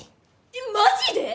えっマジで！？